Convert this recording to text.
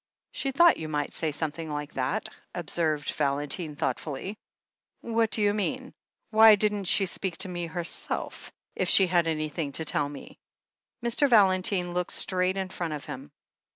"She thought you might say something like that," observed Valentine thoughtfully. "What do you mean ? Why didn't she speak to me herself, if she had anything to tell me?" Mr. Valentine looked straight in front of him.